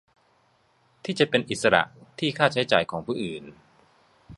ที่จะเป็นอิสระที่ค่าใช้จ่ายของผู้อื่น